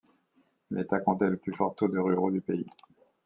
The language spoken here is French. L'État comptait le plus fort taux de ruraux du pays.